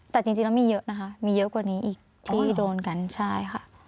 แต่จริงแล้วมีเยอะนะคะมีเยอะกว่านี้อีกที่โดนกันใช่ค่ะ